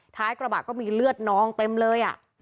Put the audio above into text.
ท้ายกระบะก็มีเลือดนองเต็มเลย